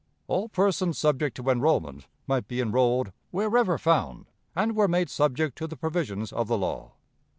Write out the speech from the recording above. All persons subject to enrollment might be enrolled wherever found, and were made subject to the provisions of the law.